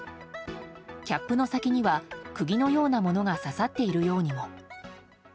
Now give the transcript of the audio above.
キャップの先には釘のようなものが刺さっているようにも。